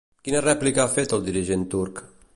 Quina rèplica ha fet el dirigent turc?